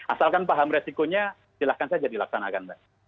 asalkan paham resikonya silahkan saja dilaksanakan mbak